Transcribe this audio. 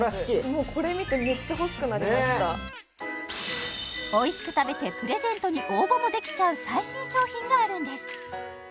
もうこれ見ておいしく食べてプレゼントに応募もできちゃう最新商品があるんです